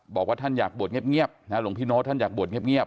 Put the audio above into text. บอกว่าท่านอยากบวชเงียบหลวงพี่โน๊ตท่านอยากบวชเงียบ